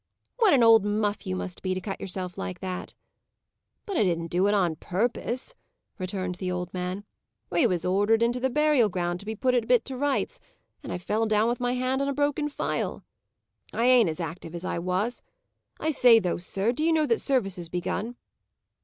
"What an old muff you must be, to cut yourself like that!" "But I didn't do it on purpose," returned the old man. "We was ordered into the burial ground to put it a bit to rights, and I fell down with my hand on a broken phial. I ain't as active as I was. I say, though, sir, do you know that service has begun?"